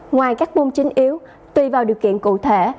ngoài các môn chính yếu tùy vào điều kiện cụ thể